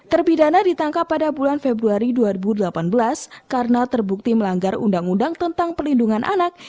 terpidana ditangkap pada bulan februari dua ribu delapan belas karena terbukti melanggar undang undang tentang pelindungan anak